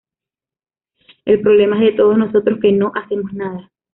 El problema es de todos nosotros que no hacemos nada".